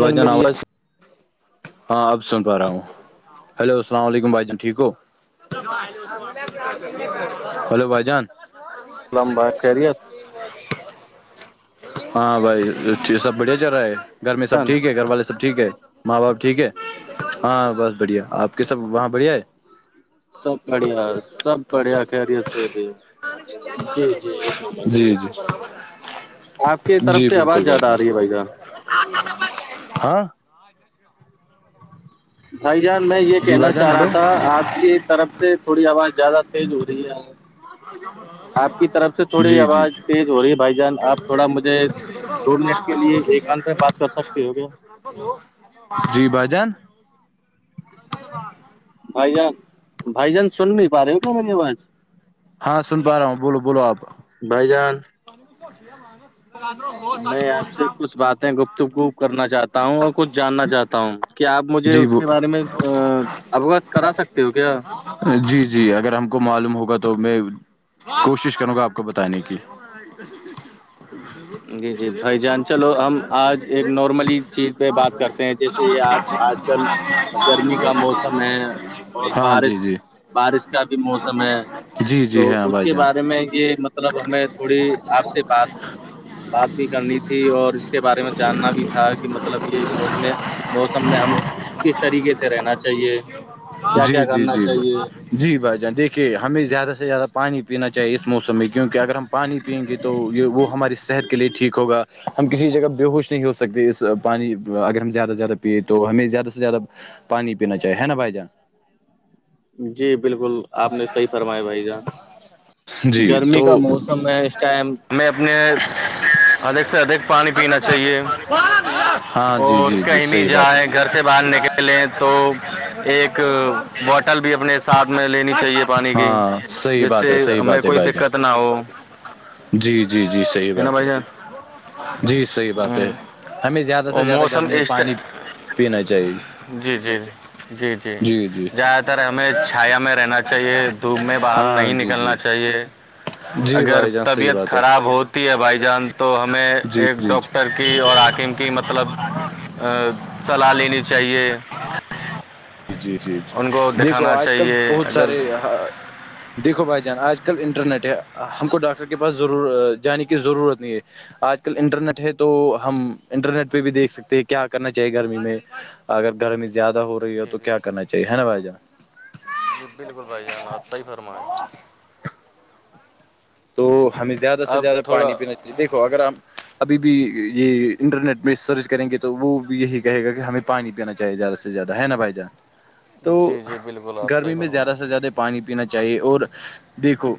جان آواز میری ہاں اب سن پا رہا ہوں ہلو اللام علیکم بھائی جان ٹھیک ہو ہیلو بھائی جان اسلامبا خیریت ہاں بھائی سب بڑھیا چل رہا ہے گھر میں سب جان ٹھیک ہے گھر والے سب ٹھیک ہے ماں باپ ٹھیک ہے ہاں بس بڑھیا آپ کے سب وہاں بڑھیا ہے سب بڑھیا سب بڑھیا خریت سے ابھی جی جی ایک نمبر کا جی یہ جی آپ کی طرف جی سے آواز بالکل زیادہ آ رہی جان ہے بھائی گ ہاں را بھائی جان میں یہ کہنا چاہ رہا تھا آپ کی طرف سے تھوڑی ہا زیادہ تیز ہو رہی ہے ہ آپ کی طرف سے تھوڑی جی جی آواز تیز ہو رہی ہے بھائی جان آپ تھوڑا مجھے دو منٹ کے لیے ایکانت میں بات کر سکتے ہو کیا جی با جان بب بات بھ جان بھ جان سن نہیں پا رہے ہو کیا میری آواز ہاں سن پا رہا ہوں بولو بولو آپ بھائی جان س س کیا مانس میں آپ سے کچھ باتیں گفت گف کرنا چاہتا ہوں اور کچھ جاننا چاہتا ہوں کیا آپ مجھے جی اس کے بارے میں اوگت کرا سکتے ہو کیا جی جی اگر ہم کو معلوم ہوگا تو میں کوشش کروں گا آپ کو بتانے کی جی جی بھائی جان چلو ہم آج ایک نارملی چیز پہ بات کرتے ہیں جیسے یہ آ آج آج کل گرمی کا موسم ہے اور ہاں بارش جی جی بارش کا بھی موسم ہے جی تو جی ہاں اس بھائی کے جان بارے میں یہ مطلب ہمیں تھوڑی آپ سے بات بات بھی کرنی تھی اور اس کے بارے میں جاننا بھی تھا کہ مطلب یہ موسم موسم میں ہم کس طریقے سے رہنا چاہیے کیا جی کیا جی کرنا جی چاہیے جی بھائی جان دیکھیے ہمیں زیادہ سے زیادہ پانی پینا چاہیے اس موسم میں کیونکہ اگر ہم پانی پئیں گے تو تو یہ وہ ہماری صحت کے لیے ٹھیک ہوگا ہم کسی جگہ بے ہوش نہیں ہو سکتے اس پانی اگر ہم زیادہ سے زیادہ پیے تو ہمیں زیادہ سے زیادہ پانی پینا چاہیے ہے نا بھائی جان جی بالکل آپ نے صحیح فرمایا بھائی جان جی گرمی تو کا موسم اس ٹائم میں اپنے ادک سے ادھک پ پانی پینا چاہیے ہاں جی اور جی جی کہیں بھی صحیح بات جائیں ہے گھر سے باہر نکلیں تو ایک بوٹل اپنے ساتھ میں لینی چاہیے پانی کی ہاں صحیح جس بات سے ہے صحیح ہمیں بات ہے کوئی بھائی دقت جان نہ ہو جی جی جی صحیح نا بات بھائی ہے جان جی صحیح بات ہ ہے ہمیں زیادہ سے اور زیادہ موسم گرمی میں اسٹ پانی پینا چاہیے جی جی جی جی ج در ہمیں چھایا میں رہنا چاہیے دھوپ میں باہر ہاں نہیں جی جی نکلنا چاہیے جی اگر بھائی جان صحیح طبیعت بات ہے خراب ہو تو تی ہے بھائی جان تو ہمیں جی ایک جی جی ڈاکٹر کی اور عاکم کی مطلب صلاح لینی چاہیے جی جی جی ان کو دیکھو دکھانا آج کل چاہیے بہت اگر سارے دیکھو بھائی جان آج کل انٹرنیٹ ہے ہم کو ڈاکٹر کے پاس ضرور جانے کی ضرورت نہیں ہے آج کل انٹرنیٹ ہے تو ہم انٹرنیٹ پہ بھی دیکھ سکتے ہیں کیا کرنا چاہیے گرمی میں اگر گرمی زیادہ ہو رہی ہے جی تو جی کیا کرنا چاہیے ہے نا بھائی جان جی بالکل بھائی جان آپ صحیح فرمائیں تو ہمیں زیادہ سے اب زیادہ تھوڑا پانی پینا چاہیے دیکھو اگر ہم ابھی بھی یہ انٹرنیٹ میں سرچ کریں گے تو وہ بھی یہی کہے گا کہ ہمیں پانی پینا چاہیےیاہ سے زیادہ ہے نا بائی جان [inaudible] تو جی بالکل آپ صحیح گرمی میں فرمائیں زیادہ سے زیادہ پانی پینا چاہیے اور دیکھو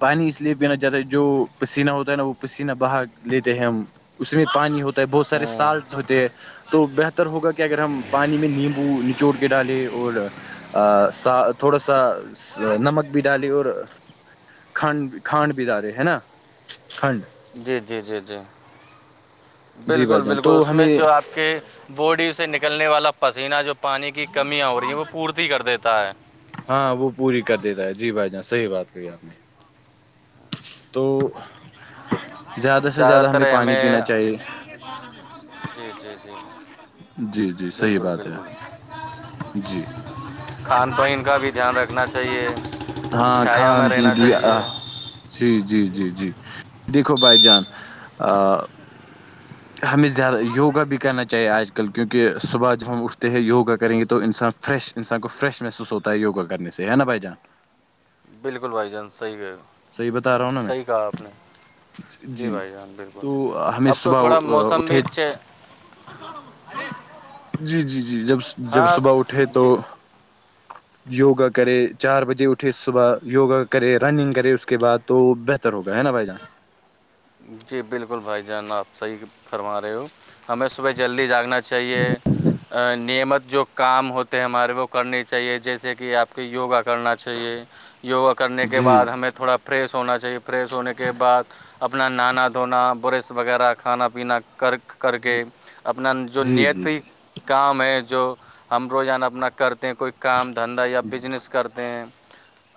پانی اس لیے پینا چاہتا ہے جو پسینہ ہوتا ہے نا وہ پسینہ بہا لیتے ہیں ہم اس میں پانی ہوتا ہے بہت سارے ہوں سالٹ ہوتے ہیں تو بہتر ہوگا کہ اگر ہم پانی میں نیمبو نچوڑ کے ڈالیں اور ا سا تھوڑا سا نمک بھی ڈالی اور کھان کھانڈ بھیدارے ہے نا کھنڈ جی جی جی جی جی بھائی بالکل جان بالکل تو اس میں ہمیں جو آپ کے بوڈی سے نکلنے والا پسینہ جو پانی کی کمیاں ہو رہی ہیں وہ پورتی کر دیتا ہے ہاں وہ پوری کر دیتا ہے جی بھائی جاناں صحیح بات کہی آپ نے تو زیادہ سے زیادہ ہمیں پانی پینا چاہیے جی جی جی جی جی صحیح بالکل بات ہے بالکل جی کھان پان کا بھی دھیان رکھنا چاہیے ہاں چھایا میں کھان پین رہنا بھی چاہیے جی جی جی جی دیکھو بھائی جان ہمیں زیادہ یوگا بھی کرنا چاہیے آج کل کیونکہ صبح جب ہم اٹھتے ہیں یوگا کریں گے تو انسان فریش انسان کو فریش محسوس ہوتا وگا کرنے سے ہے نا بھائی جان بالکل بھائی جان صی گئے صحیح بتا رہا ہوں نا میں جی بھائی جان بالکل تو ہمیں اب تو صبح تھوڑا موسم اٹھے بھی چ جی جی جی جب جب ہاں صبح اٹھے تو جی یوگا کرے چار بجے اٹھے صبح یوگا کرے رننگ کرے اٹ اس کے بعد تو بہتر ہو گیا ہے نا بھائی جان جی بالکل بھائی جان آپ صحیح فرما رہے ہو ہمیں صبح جلدی جاگنا چاہیے نعمت جو کام ہوتے ہیں ہمارے وہ کرنی چاہیے جیسے کہ آپ کو یوگا کرنا چاہیے یوگا کرنے کے جی بعد ہمیں تھوڑا فریش ہونا چاہیے فریش ہونے کے بعد اپنا نہانا دھونا برش وغیرہ کھانا پینا کرک کر جی کے اپنا جو جی جی نیت جی کام ہے جو ہم روزانہ اپنا کرتے ہیں کوئی کام دھندا یا بزنس کرتے ہیں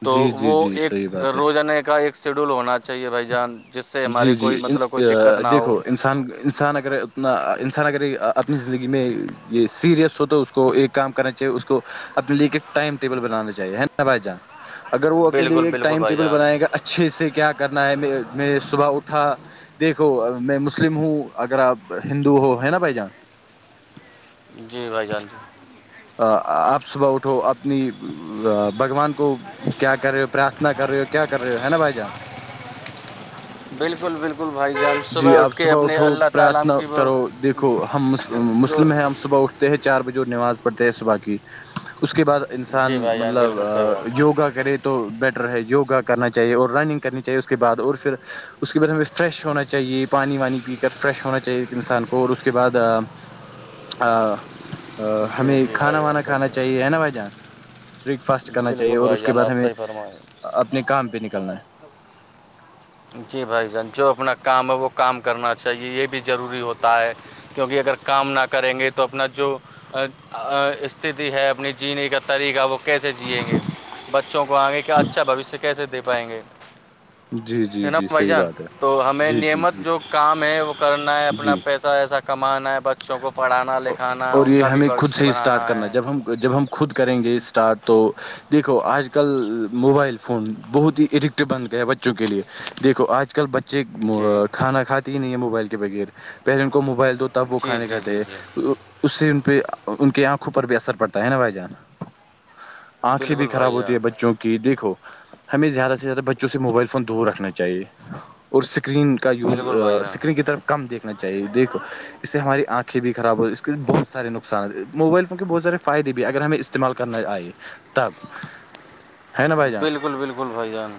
تو جی جی وہ جی ایک صحیح بات ہے روزانہ کا ایک شیڈول ہونا چاہیے بھائی جان جس سے ہمارے جی کوئی جی مطلب کوئی دقت نہ ہو دیکھو انسان انسان اگر اتنا انسان اگر اپنی زندگی میں یہ سیریس ہو تو اس کو ایک کام کرنا چاہیے اس کو اپنے لے ٹائم ٹیبل بنانا چاہیے نا بھائی جان اگر وہ اپنے لیے بالکل ایک بالکل ٹائم بھائی ٹیبل جان بنائے گا اچھے سے کیا کرنا ہے میں صبح اٹھا دیکھو میں مسلم ہوں اگر آپ ہندو ہو ہے نا بھائی جان جی بھائی جان جی آپ صبح اٹھو اپنی بھگوان کو کیا کر رہے ہو پرارتھنا کر رہے ہو کیا کر رہے ہو ہے نا بھائی جان بالکل بالکل بھائی جان جی آپ اٹھ کے صبح اپنے اٹھو اللہ تعالیٰ پرارتھنا کی وہ کرو دیکھو ہم جو مسلم ہیں ہم صبح اٹھتے ہیں چار بجے وہ نماز پڑتے ہے صبح کی اس کے بعد انسان جی بھائی جان مطلب بالکل صحیح بات یوگا کرت تو بیٹر ہے یگا کرنا چاہیے اور رنگ کرنی چاہیے اس کے بعد اور پھر اس کے بعد ہمیں فریش ہونا چاہیے چاہیے پانی وانی پی کر فریش ہونا چاہیے انسان کو اور اس کے بعد ا ہے جی ہمیں جی کھانا بھائی جان وانا کھانا بالکل چاہیے ہے نا بھائی جان بریک فاسٹ کرنا چاہیے بالکل اور بھائی اس کے جان بعد آپ ہمیں صحیح فرمائیں اپنے کام پہ نکلنا ہے جی بھائی جان جو اپنا کام ہے وہ کام کرنا چاہیے یہ بھی ضروری ہوتا ہے کیونکہ اگر کام نہ کریں گے تو اپنا جو استتی ہے اپنی جینے کا طریقہ وہ کیسے جییں گے بچوں کو آگے کہ اچھا بھشیہ کیسے دے پائیں گے جی ح جی نم جی بھ صحیح جان بات ہے تو ہمیں جی جی نیمت جی جو کام ہے وہ کرنا ہے اپنا جی پیسہ اھا ایسا کمانا ہے بچوں کو پڑھانا لکھانا ہے اور ان یہ کا بھی ہمیں خود بھشیہ سے ہی بنانا اسٹارٹ کرنا ہے جب ہم جب ہم خود کریں گے اسٹارٹ تو دیکھو آج کل موبائل فون بہت ہی ایڈکٹ بن گئے ہے بچوں کے لیے یکھو آج کل بچے جی کھانا کھاتے ہی نہیں ہے موبائل کے بغیر پہلے ان کو موبائل دو تو تا وہ جی کھانے کھے جی جی جی اس سے پہ ان کی آنکھوں پر بھی اثر پڑتا ہے نا بھائی جان آنکھیں بھی بالکل خراب بھائی ہوتی جان ہے بچوں کی دیکھو ہمیں زیادہ سے زیادہ بچوں سے موبائل فون دور رکھنا چاہیے اور اسکرین کا یوز بالکل بھائی جان اسکرین کی طرف کم دیکھنا چاہیے دیکھو اس سے ہماری آنکھیں بھی خراب ہو اس کے بہت سارے نقصات موبائل فون کے بہت سارے فائدے بھی اگر ہمیں استعمال کرنا آئے تب ہے نا بھائی جان بالکل بالکل بھائی جان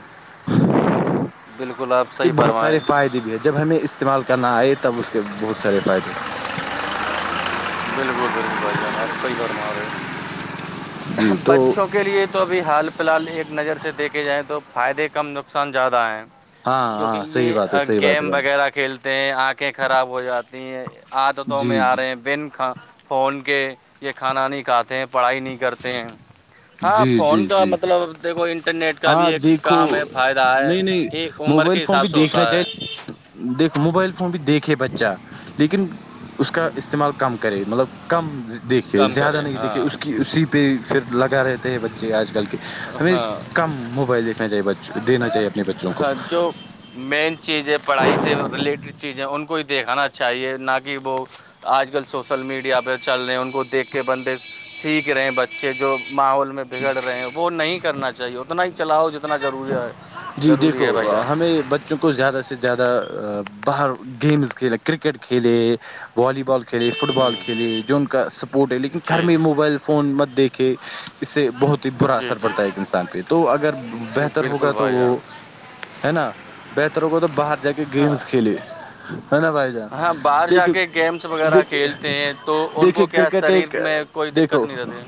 بالکل آ اس کے بہت سارے فائدے بھی ہیں جب ہمیں استعمال کرنا آئے تب اس کے بہت سارے فائدے بالکل بالکل کوئی کرنا ہو رہے جی تو بچوں کے لیے تو ابھی حال فی الحال ایک نظر سے دیکھے جائیں تو فائدے کم نقصان زیادہ ہیں ہاں کیونکہ ہاں صحیح بات یہ ہے صحیح بات ہے گیم بھائی جان. وغیرہ کھیلتے ہیں آنکھیں خراب ہو جاتی ہیں عادتوں میں جی آ جی رہے ہیں بن کھ فون کے یہ کھانا نہیں کھاتے ہیں پڑھائی نہیں کرتے ہیں ہاں جی جی فون کا جی مطلب دیکھو انٹرنیٹ کا بھی ہاں ایک دیکھو کام ہے فائدہ ہے نہیں نہیں یہ عمر کے حساب سے ہوتا ہے دیکھو موبائل فون بھی دیکھے بچہ لیکن اس کا استعمال کم کرے مطلب کم دیکھے کم زیادہ کریں نہیں ہاں دیکھے اس کی اسی پہ پھر لگا رہتے ہیں بچے آج کل کے ہمیں ہاں کم موبائل دیکھنا چاہیے ب دینا چاہیے اپنے بچوں کو ہاں، جو مین چیزیں پڑھائی سے ریلیٹڈ چیزیں ان کو ہی دیکھانا چاہیے نہ کہ وہ آج کل سوسل میڈیا پہ چل رہے ہیں ان کو دیکھ کے بندے سیکھ رہے ہیں بچے جو ماحول میں بگڑ رہے ہیں وہ نہیں کرنا چاہیے اتنا ہی چلاؤ جتنا ضروری ہے جی ضروری دیکھو ہے بھائی جان ہمیں ب چکو زیادہ سے زیادہ باہر گیمز کھیلے کررکٹ کھیلے والی بال ک کھیلے فٹ بال کھیلے جو ان کا سپورٹ ہے لیکن گھر جی میں موبائل فون مت دیکھے اس سے بہت ہی برا جی اثر جی پڑتا ہے ایک انسان پہ تو اگر جی بہتر بالکل ہوگا تو بھائی وہ جان ہے نا بہتر ہوگ تو باہر جا کے ہاں گیمز کھیلے ہے نا بھائی جان ہاں باہر جا دیکھیے کے گیمس وغیرہ دیکھیے کھیلتے ہیں تو ان کو دیکھیے کیا کرکٹ شریر ایک میں کوئی دقت دیکھو نہیں رہتی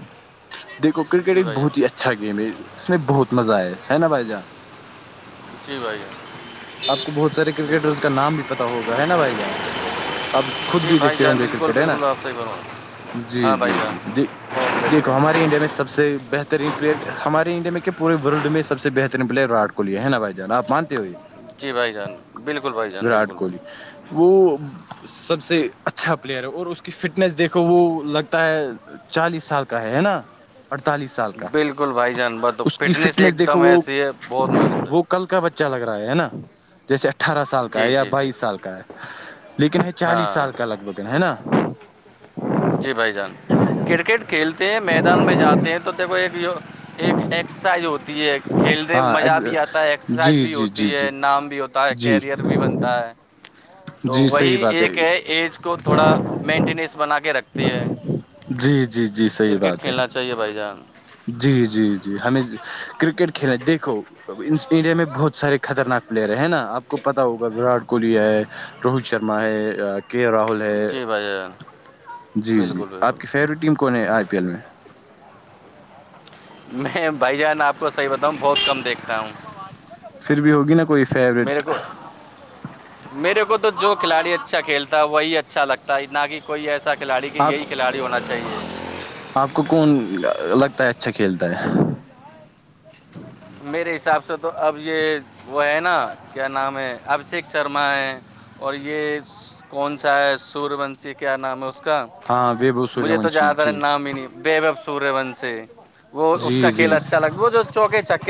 دیکھو کرکٹ جی ایک بھائی بہت ہی جان اچھا گیم ہے اس میں بہت مزہ آیا ہے نا بھائی جان جی بھائی جان آپ کو بہت سارے بالکل کرکٹرس کا بالکل نام بھی پتا ہوگا ہے نا بھائی جان اب خود جی بھی بھائی دیکھتے جان ہوں گے بالکل کرکٹ ہے نا بالکل آپ صحیح فرما جی ہاں بھائی جی جان جی جی فون دیکھتے دھو ہیں ہمارے انڈیا میں سب سے بہترین پلیئر ہمارے انڈیا میں کیا پورے ورلڈ میں سب سے بہترین پلیئر ورٹ کوہلی ہے نا بائی جان آ مانتے ہوئے جی بھائی جان بالکل بھائی جان بالکل بھائی کوہلی ج وہ سب سے اچھا پلیئر ہے اور اس کی فٹنس دیکھو وہ لگتا ہے چالیس سال کا ہے نا اڑتالیس سال کا بالکل بھائی جان بہ تو اس کی فٹنیس ہی فٹنس ایک دیکھو دم وہ ایسی ہے بہت مست ہے وہ کل کا بچہ لگ رہا ہے نا جیسے اٹھارہ سال کا ہے جی یا جی جی بائیس سال کا ہے لیکن چالیس ہاں سال کا لگ بگ ہے نا جی بھائی جان کرکٹ کھیلتے ہیں میدان میں جاتے ہیں تو دیکھو ایک ایک ایکسرسائز ہوتی ہے کھیلتے ہاں مزہ بھی آتا ہے ایکسرسائز جی بھی جی جی ہوتی جی ہے نام بھی ہوتا ہے جی کیریئر بھی بنتا ہے تو جی وہی صحیح بات ایک ہے ایج کو تھوڑا مینٹینس بنا کے رکھتی ہے جی جی جی صحیح کرکٹ بات ہے کھیلنا چاہیے بھائی جان جی جی جی ہمیں کرکٹ کھیلے دیکھو اس انڈیا میں بہت سارے خطرناک پلیئر ہیں نا آپ کو پتتا ہوگا وراٹ کوہلی ہےئے روہت شرما ہے کے راہل ہے جی بھائی جان جی جی بالکل بالکل آپ کی فیوریٹ ٹیم کون ہے آئی پی ایل میں میں بھائی جان آپ کو صحیح بتاؤں بہت کم دیکھ پھر بھی ہوگی نا کوئی میرے فیورٹ کو میرے کو تو جو کھلاڑی اچھا کھیلتا ہے وہی اچھا لگتا ہے نہ کہ کوئی ایسا کھلاڑی کہ آپ یہی کھلاڑی ہونا چاہیے آپ کو کون لگتا ہے اچھا کھیلتا ہے میرے حساب سے تو اب یہ وہ ہے نا کیا نام ہے ابھیشیک شرما ہے اور یہ کون سا ہے سوربنش کیا نام ہے اس کا ہاں ویبو سوریہ مجھے تو ونشی زیادر جی نام ہی نہیں بے بب سور ون سے وہ اس جی کا کھیل جی اچھا لگتا وہ جو چوکے چک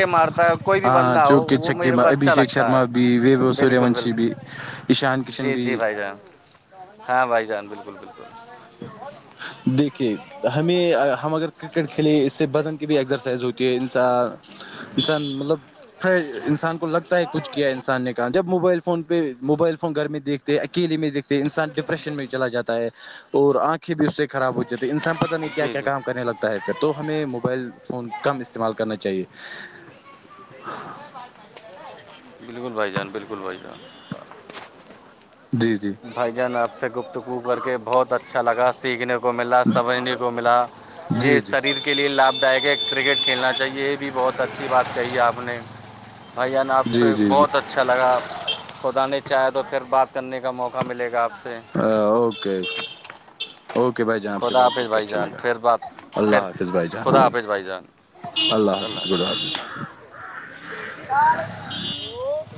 ہاں چوکے چھک کو اچھا ابھیشیک لگتا شرما ہے بھی و سوریہ بالکل وونشی بھی بالکل ایشان کشن جی بھی جی بھائی ہاں بھائی جان بالکل بالکل دیکھیے ہمیں ہم اگر کرکٹ کھیلے اس سے بدن بھی ایکسرسائز ہوتی ہے انسان انسان مطلب پھر انسان کو لگتا ہے کچھ کیا انسان نے جب موبائل فون پہ موبائل فون گھر میں دیکھتے اکیلے میں دیکھتے انسان ڈپریشن میں چلا جاتا ہے اور آنکھیں بھی اس سے خراب ہو جاتی ہیں انسان پتہ نہیں کیا جی کیا جی کام کرنے لگتا ہے پھر تو ہمیں موبائل فون کم استعمال کرنا چاہیے بالکل بھائی جان بالکل بھائی جان جی جی بھجن آپ سے گپتگو کر کے بہت اچھا لگا سیکھنے ملا سمجنے کو ملا یہ جی جی شریر کے کے لیے لابھدائک ہے کرکٹ کھیلنا چاہیے یہ بھی بہت اچھی بات کہی ہے آپ نے بھان آپ سے جی جی جی بہت اچھا لگا خدا نے چاہے تو پھر بات کرنے کا کا موقع ملے گا آپ سے ہ اوکےکے اوکے بھائی جہان سے ب خدا حافظ آپ کے بھائی اچھا جان لگا پھر بات اللہ پھر حافظ بھائی جان خدا حافظ بھائی جان اللہ حافظ گدلہ حافظ